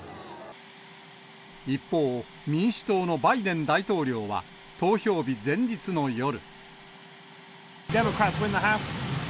一方、民主党のバイデン大統領は、投票日前日の夜。